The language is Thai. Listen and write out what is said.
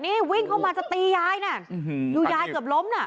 นี่วิ่งเข้ามาจะตียายน่ะดูยายเกือบล้มน่ะ